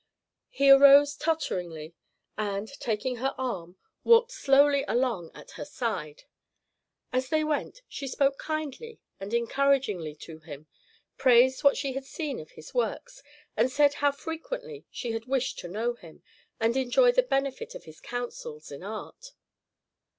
He arose totteringly, and, taking her arm, walked slowly along at her side. As they went, she spoke kindly and encouragingly to him, praised what she had seen of his works, and said how frequently she had wished to know him, and enjoy the benefit of his counsels in art.